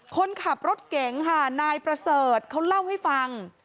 คนขับรถเก๋งค่ะนายประเสริฐเขาเล่าให้ฟัง